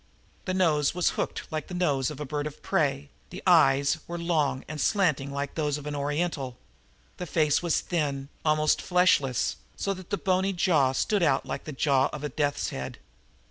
The nose was hooked like the nose of a bird of prey; the eyes were long and slanting like those of an Oriental. The face was thin, almost fleshless, so that the bony jaw stood out like the jaw of a death's head.